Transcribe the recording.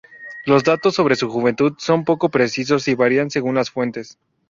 Los datos sobre su juventud son poco precisos y varían según las fuentes.